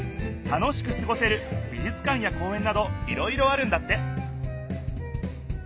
楽しくすごせるびじゅつ館や公園などいろいろあるんだって！